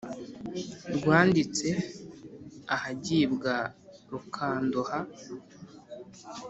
rwandinze ahagibwa rukandoha